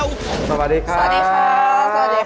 สวัสดีครับสวัสดีครับสวัสดีครับสวัสดีค่ะ